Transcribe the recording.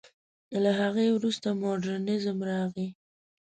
له هغې وروسته مډرنېزم راغی.